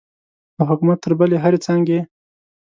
د حکومت تر بلې هرې څانګې.